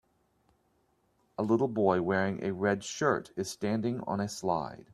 A little boy wearing a red shirt is standing on a slide.